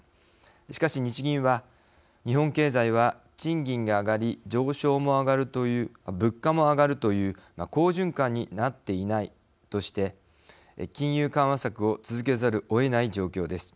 しかし、日銀は日本経済は賃金が上がり物価も上がるという好循環になっていないとして金融緩和策を続けざるをえない状況です。